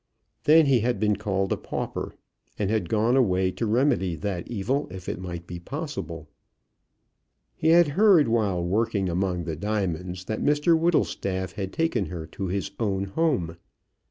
Then he had been called a pauper, and had gone away to remedy that evil if it might be possible. He had heard while working among the diamonds that Mr Whittlestaff had taken her to his own home.